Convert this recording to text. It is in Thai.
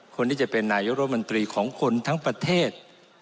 คนที่จะเป็นนายกรมนตรีของคนทั้งประเทศ